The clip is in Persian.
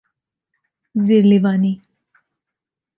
زیر لیوانی